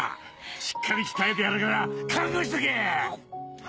しっかり鍛えてやるから覚悟しとけ！